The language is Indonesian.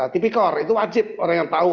tipikor itu wajib orang yang tahu